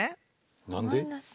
何で？